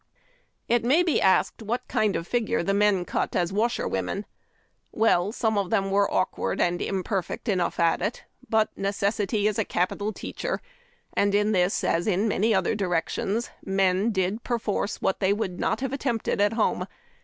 It may be asked what kind of a figure the men cut as Avasherwomen. Well, some of them were awkward and imperfect enough at it ; but necessity is a capital teacher, and, in this as in many other directions, men did perforce what they would not have attempted at home.